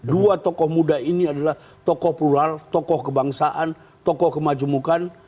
dua tokoh muda ini adalah tokoh plural tokoh kebangsaan tokoh kemajumukan